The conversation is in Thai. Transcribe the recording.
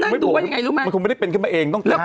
มายวนมันไม่ก็คงไม่ได้เป็นขึ้นไปเอง